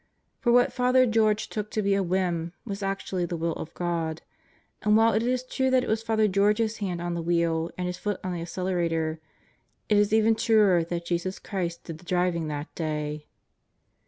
For what Father George took to be a whim was actually the will of God, and while it is true that it was Father George's hand on the wheel and his foot on the accelerator, it is even truer that Jesus Christ did the driving that day.